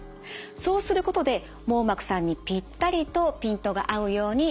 そうすることで網膜さんにぴったりとピントが合うように調節します。